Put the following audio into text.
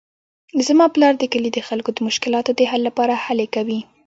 زما پلار د کلي د خلکو د مشکلاتو د حل لپاره هلې کوي